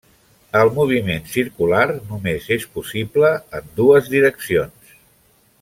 El moviment circular només és possible en dues direccions.